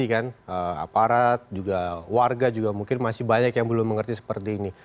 aparat juga warga juga mungkin masih banyak yang belum mengerti seperti ini